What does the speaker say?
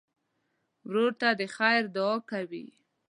ورور ته د خیر دعا کوې.